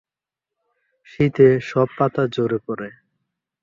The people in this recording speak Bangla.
শীতে সব পাতা ঝরে পড়ে।